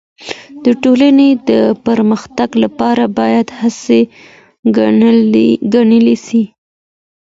د ټولني د پرمختګ لپاره بايد هڅې ګړندۍ سي.